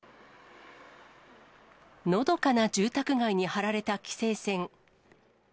のどかな住宅街に張られた規制線。